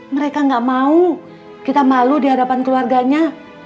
mereka nggak mau kita malu di hadapan keluarganya